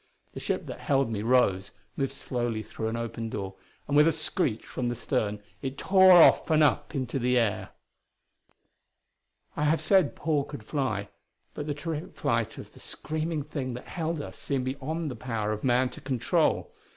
The ship that held me rose; moved slowly through an opened door; and with a screech from the stern it tore off and up into the air. I have said Paul could fly; but the terrific flight of the screaming thing that held us seemed beyond the power of man to control.